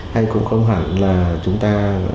hay cũng không hẳn là chúng ta